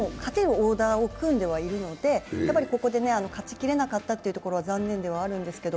オーダーを組んではいるのでやっぱりここで勝ちきれなかったということは残念ではあるんですけど